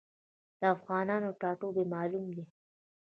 د افغانانو ټاټوبی معلوم دی.